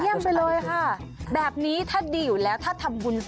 เยี่ยมเลย